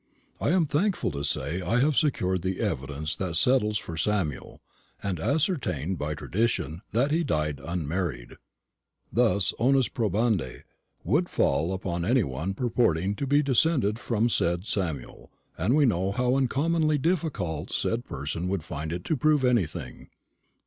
I am thankful to say I have secured the evidence that settles for Samuel, and ascertained by tradition that he died unmarried. The onus probandi would fall upon any one purporting to be descended from the said Samuel, and we know how uncommonly difficult said person would find it to prove anything.